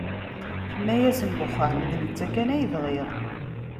Tenna-yasen deg uxxam d netta kan ay bɣiɣ.